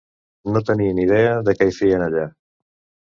No tenia ni idea de què hi feien allà.